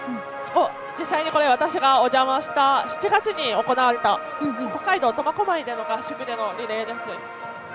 実際に私がお邪魔した、７月に行われた北海道苫小牧での合宿のもようです。